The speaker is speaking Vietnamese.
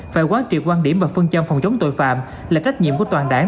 phải quan trị quan điểm và phân châm phòng chống tội phạm là trách nhiệm của toàn đảng